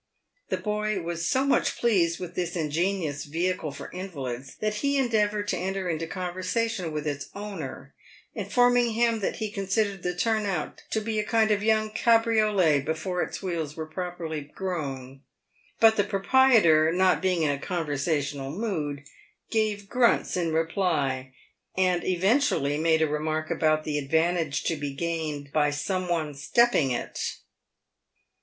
The boy was so mucli pleased with this ingenious vehicle for invalids, that he endeavoured to enter into conversation with its owner, informing him that he considered the turn out to be a kind of young cabriolet before its wheels were properly grown ; but the proprietor, not being in a con versational mood, gave grunts in reply, and eventually made a remark about the advantage to be gained by some one " stepping it."